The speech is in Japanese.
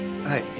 はい。